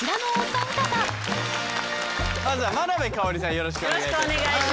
よろしくお願いします。